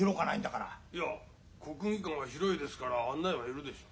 いや国技館は広いですから案内はいるでしょう。